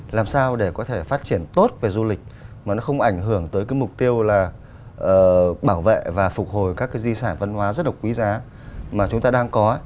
làm sao để có thể phát triển tốt về du lịch mà nó không ảnh hưởng tới cái mục tiêu là bảo vệ và phục hồi các cái di sản văn hóa rất là quý giá mà chúng ta đang có